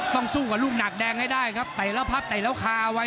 สู้กับลูกหนักแดงให้ได้ครับไต่แล้วพับเตะแล้วคาเอาไว้